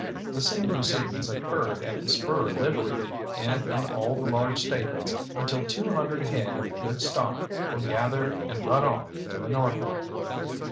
The same proceedings occurred at the Spur livery, and in all the large stables, until two hundred head of good stock were gathered and run off to the northward.